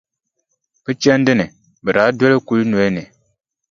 Bɛ chandi ni, bɛ daa doli kulinoli ni.